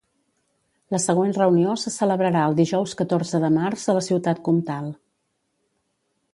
La següent reunió se celebrarà el dijous catorze de març a la ciutat Comtal.